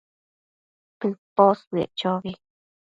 tëposbëec chobi